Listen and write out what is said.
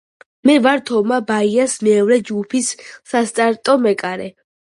მე ვარ თომა ბაიას მეორე ჯგუფის სასტარტო მეკარე